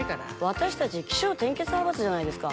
私たち起承転結派閥じゃないですか。